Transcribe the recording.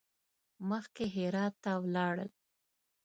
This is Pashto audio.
مخکې هرات ته ولاړل.